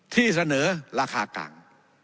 ที่เสนอราคากลาง